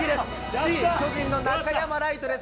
Ｃ、巨人の中山礼都です。